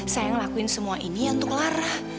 saya yang ngelakuin semua ini ya untuk lara